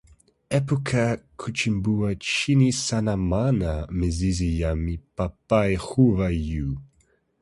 epuka kuchimbua chini sana maana mizizi ya mipapai huwa juu.